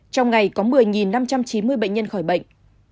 trong ngày có một mươi năm trăm chín mươi bệnh nhân khỏi bệnh